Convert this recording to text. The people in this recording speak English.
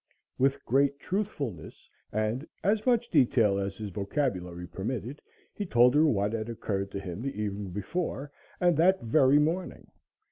With great truthfulness, and as much detail as his vocabulary permitted, he told her what had occurred to him the evening before and that very morning.